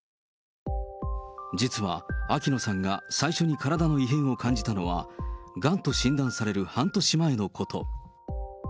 実は、秋野さんが最初に体の異変を感じたのは、がんと診断される半年前のこと。